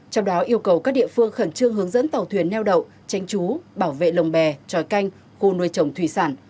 trong đó yêu cầu các địa phương khẩn trương hướng dẫn tàu thuyền neo đậu tranh trú bảo vệ lồng bè tròi canh khu nuôi trồng thủy sản